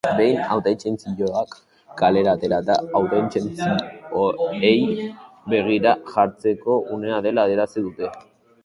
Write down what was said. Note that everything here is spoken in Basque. Behin hautetsontziak kalera aterata, hautetsontziei begira jartzeko unea dela adierazi dute.